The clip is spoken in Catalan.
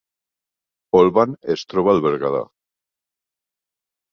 Olvan es troba al Berguedà